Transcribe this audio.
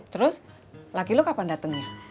terus laki lo kapan datengnya